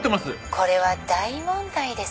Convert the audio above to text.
「これは大問題です」